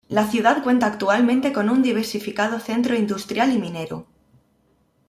La ciudad cuenta actualmente con un diversificado centro industrial y minero.